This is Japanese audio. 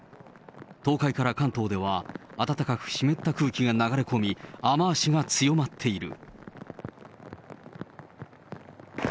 東海から関東では、暖かく湿った空気が流れ込み、雨足が強まっている。